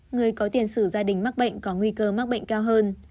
người có tiền sử gia đình mắc bệnh có nguy cơ mắc bệnh cao hơn